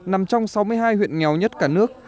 nằm trong sáu mươi hai huyện nghèo nhất cả nước